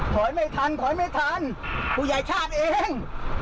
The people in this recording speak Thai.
ถอยไม่ทันถอยไม่ทันผู้ใหญ่ชาติเอง